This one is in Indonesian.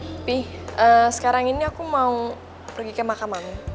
tapi sekarang ini aku mau pergi ke makam mami